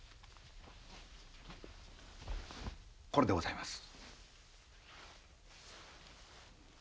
これでございます。